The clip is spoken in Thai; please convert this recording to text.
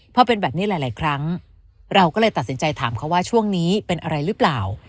พอเป็นแบบนี้หลายครั้งเราก็เลยตัดสินใจถามเขาว่าช่วงนี้เป็นอะไรหรือเปล่า